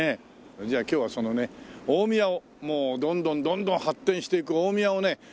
じゃあ今日はそのね大宮をもうどんどんどんどん発展していく大宮をね